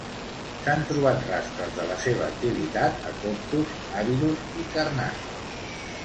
S'han trobat rastres de la seva activitat a Coptos, Abidos i Karnak.